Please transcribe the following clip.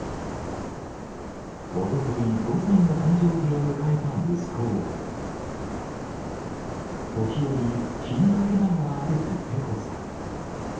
おととい、５歳の誕生日を迎えた息子を、時折、気にかけながら歩くペコさん。